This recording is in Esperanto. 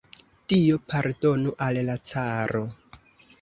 Dio pardonu al la caro!